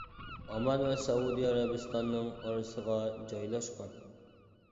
ئامان ۋە سەئۇدى ئەرەبىستاننىڭ ئارىسىغا جايلاشقان.